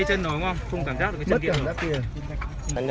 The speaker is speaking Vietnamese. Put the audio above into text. chói chói bên đằng kia